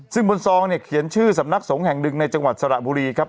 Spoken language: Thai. ซึ่งบนซองเนี่ยเขียนชื่อสำนักสงฆ์แห่งหนึ่งในจังหวัดสระบุรีครับ